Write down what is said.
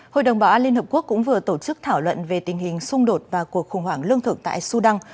hội đồng bảo an liên hợp quốc cũng vừa tổ chức thảo luận về tình hình xung đột và cuộc khủng hoảng lương thực tại sudan